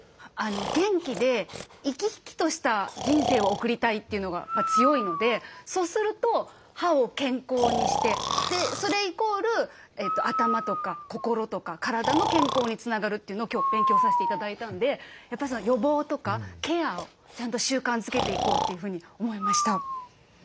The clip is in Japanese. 元気で生き生きとした人生を送りたいというのが強いのでそうすると歯を健康にしてそれイコール頭とか心とか体の健康につながるというのを今日勉強させて頂いたのでやっぱり予防とかケアをちゃんと習慣づけていこうというふうに思いました。